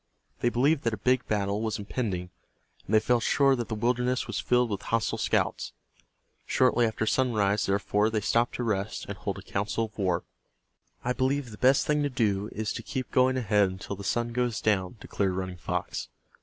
They believed that a big battle was impending, and they felt sure that the wilderness was filled with hostile scouts. Shortly after sunrise, therefore, they stopped to rest, and hold a council of war. "I believe the best thing to do is to keep going ahead until the sun goes down," declared Running Fox.